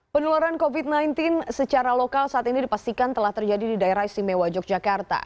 penularan covid sembilan belas secara lokal saat ini dipastikan telah terjadi di daerah istimewa yogyakarta